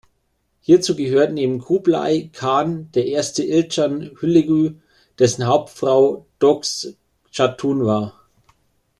Hierzu gehört neben Kublai Khan der erste Ilchan Hülegü, dessen Hauptfrau Doquz-Chatun war.